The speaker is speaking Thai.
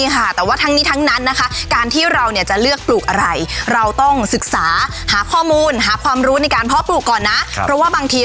หาตลาดได้อย่างสุดยอดมากครับ